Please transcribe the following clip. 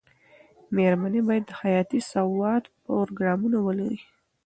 مېرمنې باید د حياتي سواد پروګرامونه ولري.